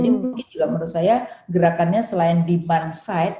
menurut saya gerakannya selain demand side